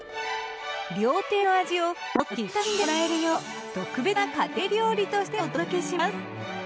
料亭の味をもっと気軽に楽しんでもらえるよう特別な家庭料理としてお届けします。